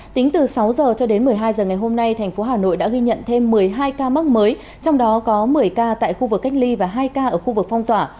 tính từ sáu h cho đến một mươi hai h ngày hôm nay thành phố hà nội đã ghi nhận thêm một mươi hai ca mắc mới trong đó có một mươi ca tại khu vực cách ly và hai ca ở khu vực phong tỏa